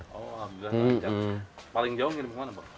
oh alhamdulillah lancar paling jauh ini kemana pak